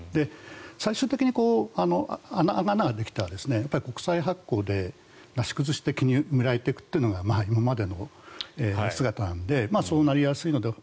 最終的に穴ができて国債発行で、なし崩し的に埋められていくというのが今までの姿なのでそうなりやすいのではと。